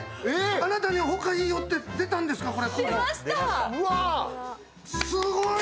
あなたにＨＯＫＡいいよって出たんですか、すごい！